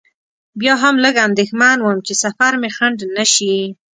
بیا هم لږ اندېښمن وم چې سفر مې خنډ نه شي.